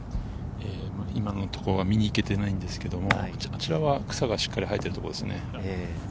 今のところは見に行けてないんですが、めちゃくちゃ草がしっかり生えているところですね。